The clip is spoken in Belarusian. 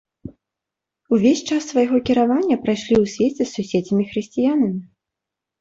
Увесь час свайго кіравання прайшлі ў свеце з суседзямі-хрысціянамі.